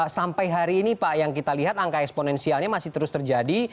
sampai hari ini pak yang kita lihat angka eksponensialnya masih terus terjadi